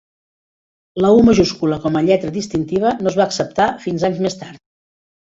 La 'U' majúscula com a lletra distintiva no es va acceptar fins anys més tard.